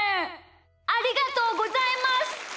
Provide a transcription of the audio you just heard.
ありがとうございます。